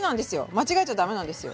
間違えちゃ駄目なんですよ。